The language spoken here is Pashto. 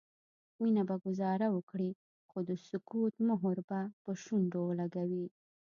مينه به ګذاره وکړي خو د سکوت مهر به پر شونډو ولګوي